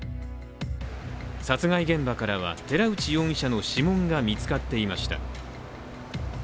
殺害現場からは、寺内容疑者の指紋が見つかっていました。